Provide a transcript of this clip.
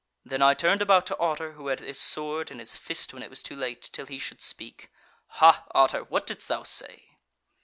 "Then I turned about to Otter (who had his sword in his fist when it was too late) till he should speak. Hah Otter, what didst thou say?"